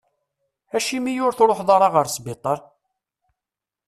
Acimi ur truḥeḍ ara ɣer sbiṭar?